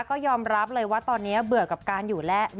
ก็ยอมรับเลยว่าตอนนี้เบื่อกับการอยู่แล้ว